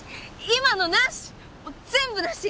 今のなし！